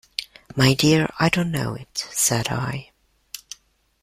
"My dear, I don't know it," said I.